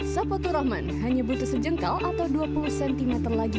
saputu rohman hanya butuh sejengkal atau dua puluh cm lagi